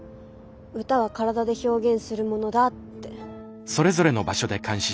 歌は体で表現するものだって。